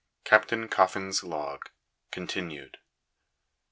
CAPTAIN COFFIN'S LOG CONTINUED.